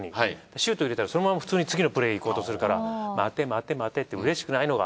シュート入れたらそのまま普通に次のプレー行こうとするから待て待て待てってうれしくないのか？